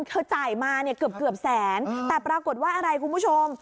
จ่ายมาเนี่ยเกือบแสนแต่ปรากฏว่าอะไรคุณผู้ชม